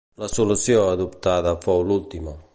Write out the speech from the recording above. La solució adoptada fou l'última.